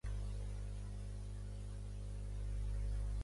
Este vídeo fa moltíssima por.